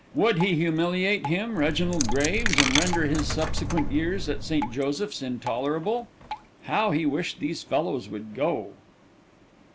Would he humiliate him, Reginald Graves, and render his subsequent years at St. Joseph's intolerable? How he wished these fellows would go!